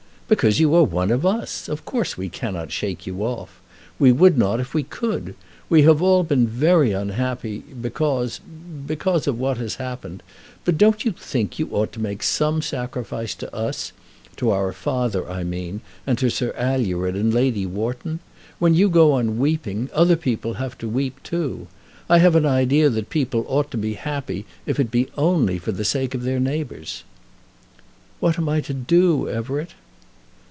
"Because you are one of us. Of course we cannot shake you off. We would not if we could. We have all been very unhappy because, because of what has happened. But don't you think you ought to make some sacrifice to us, to our father, I mean, and to Sir Alured and Lady Wharton? When you go on weeping, other people have to weep too. I have an idea that people ought to be happy if it be only for the sake of their neighbours." "What am I to do, Everett?"